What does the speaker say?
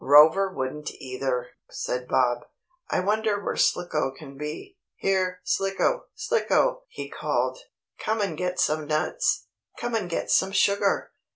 "Rover wouldn't either," said Bob. "I wonder where Slicko can be. Here, Slicko! Slicko!" he called. "Come and get some nuts! Come and get some sugar!"